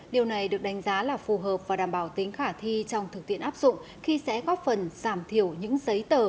điều này được đánh giá là phù hợp và đảm bảo tính khả thi trong thực tiện áp dụng khi sẽ góp phần giảm thiểu những giấy tờ